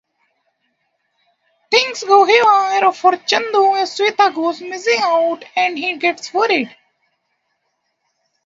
Things go haywire for Chandu as Swetha goes missing out and he gets worried.